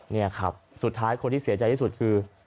นี่ครับสุดท้ายคนที่เสียใจที่สุดคือ